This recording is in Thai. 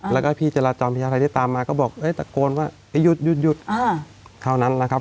แล้วก็พี่จราจรพญาไทยที่ตามมาก็บอกตะโกนว่าให้หยุดหยุดเท่านั้นแหละครับ